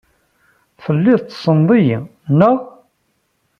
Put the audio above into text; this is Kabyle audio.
Telliḍ tessneḍ-iyi, naɣ?